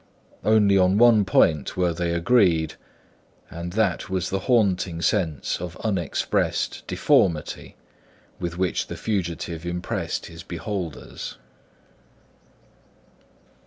Only on one point were they agreed; and that was the haunting sense of unexpressed deformity with which the fugitive impressed his beholders.